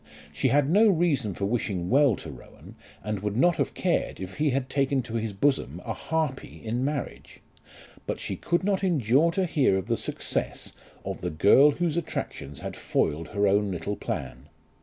She had no reason for wishing well to Rowan, and would not have cared if he had taken to his bosom a harpy in marriage; but she could not endure to hear of the success of the girl whose attractions had foiled her own little plan.